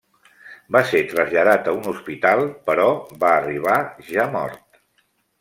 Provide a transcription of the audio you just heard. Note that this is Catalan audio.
Va ser traslladat a un hospital, però va arribar ja mort.